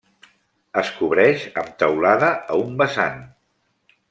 Es cobreix amb teulada a un vessant.